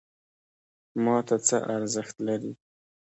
ماته څه ارزښت لري؟